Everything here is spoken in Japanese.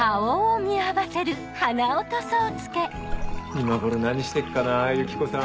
今頃何してっかなぁユキコさん。